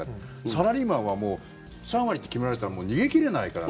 サラリーマンはもう３割って決められたらもう逃げ切れないから。